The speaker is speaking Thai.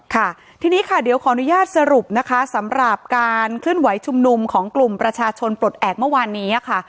ค่ะทีนี้ค่ะเดี๋ยวขออนุญาตสรุปนะคะสำหรับการเคลื่อนไหวชุมนุมของกลุ่มประชาชนปลดแอบเมื่อวานนี้ค่ะ